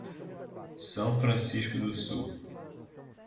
São Francisco do Sul